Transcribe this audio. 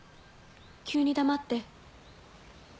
急に黙って。